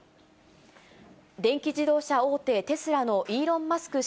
電気自動車大手、テスラのイーロン・マスク